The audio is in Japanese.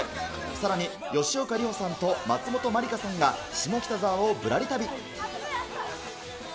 さらに、吉岡里帆さんと松本まりかさんが下北沢をぶらり旅。